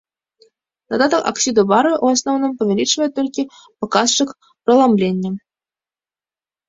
Дадатак аксіду барыю ў асноўным павялічвае толькі паказчык праламлення.